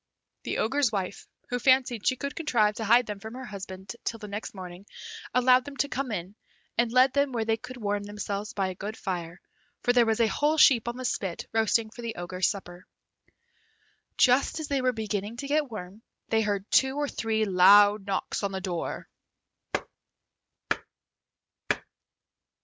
The Ogre's wife, who fancied she could contrive to hide them from her husband till the next morning, allowed them to come in, and led them where they could warm themselves by a good fire, for there was a whole sheep on the spit roasting for the Ogre's supper. Just as they were beginning to get warm, they heard two or three loud knocks at the door.